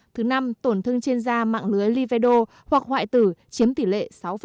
thứ năm tổn thương trên da mạng lưới liverdo hoặc hoại tử chiếm tỷ lệ sáu